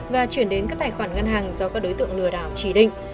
và chuyển đến các tài khoản ngân hàng do các đối tượng lừa đảo chỉ định